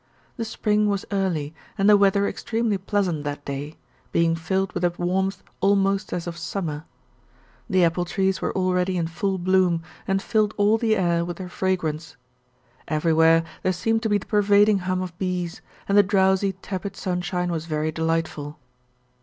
The spring was early and the weather extremely pleasant that day, being filled with a warmth almost as of summer. The apple trees were already in full bloom and filled all the air with their fragrance. Everywhere there seemed to be the pervading hum of bees, and the drowsy, tepid sunshine was very delightful.